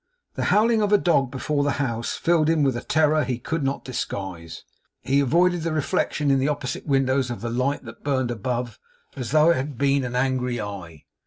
The howling of a dog before the house, filled him with a terror he could not disguise. He avoided the reflection in the opposite windows of the light that burned above, as though it had been an angry eye.